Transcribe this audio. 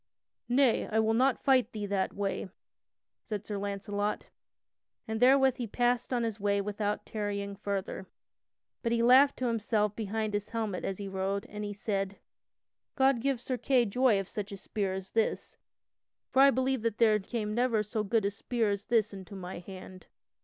"Nay, I will not fight thee that way," said Sir Launcelot, and therewith he passed on his way without tarrying further. But he laughed to himself behind his helmet as he rode, and he said: "God give Sir Kay joy of such a spear as this, for I believe there came never so good a spear as this into my hand.